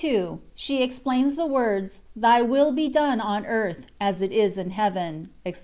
BHE EXPLAINS THE WORDS, "THY WILL BE DONE ON EARTH, AS IT IS IN HEAVEN," ETC.